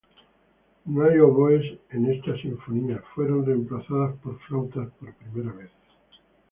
No hay oboes en esta sinfonía, fueron reemplazados por flautas por primera vez.